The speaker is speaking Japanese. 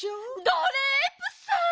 ドレープさん！